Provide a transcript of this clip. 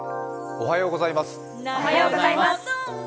おはようございます。